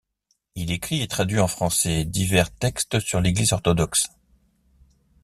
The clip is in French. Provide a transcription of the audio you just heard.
Il écrit et traduit en français divers textes sur l'Église orthodoxe.